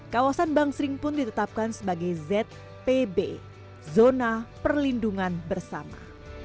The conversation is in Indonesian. kawasan bangsering pun ditetapkan sebagai zpb zona perlindungan bersama